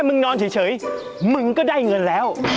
มึงนอนเฉยมึงก็ได้เงินแล้ว